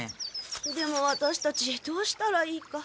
でもワタシたちどうしたらいいか。